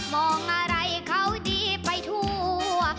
มองอะไรเขาดีไปทั่ว